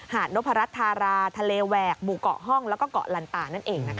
หาดโนพระธาราทะเลแหวกหมู่เกาะฮ่องแล้วก็เกาะลันตานั่นเอง